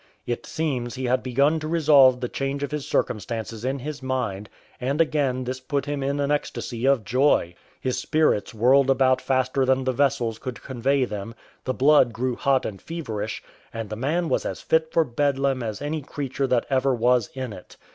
It seems he had begun to revolve the change of his circumstances in his mind, and again this put him into an ecstasy of joy. His spirits whirled about faster than the vessels could convey them, the blood grew hot and feverish, and the man was as fit for Bedlam as any creature that ever was in it.